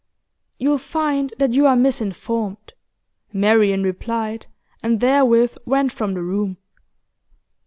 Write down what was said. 'You'll find that you are misinformed,' Marian replied, and therewith went from the room.